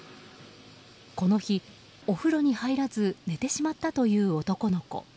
この日、お風呂に入らず寝てしまったという男の子。